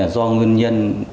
do nguyên nhân